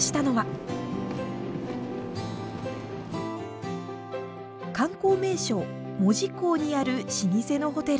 観光名所・門司港にある老舗のホテル。